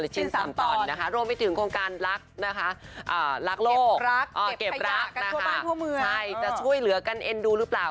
ใช่แต่จะช่วยเหลือกันเอ็นดูรึเปราะ